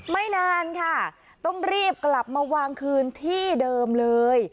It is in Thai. ไม่นานค่ะต้องรีบกลับมาวางคืนที่เดิมเลย